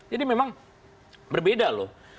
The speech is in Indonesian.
jadi memang berbeda loh